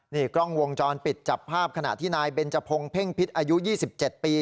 นี่กล้องวงจรปิดจับภาพขณะที่นายเบนจพงศ์เพ่งพิษอายุ๒๗ปี